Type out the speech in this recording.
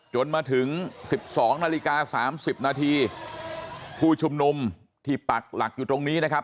จนถึง๑๒นาฬิกา๓๐นาทีผู้ชุมนุมที่ปักหลักอยู่ตรงนี้นะครับ